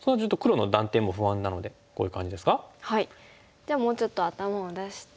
じゃあもうちょっと頭を出して。